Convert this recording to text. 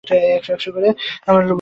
আমি আমার বউকে ভালোবাসি!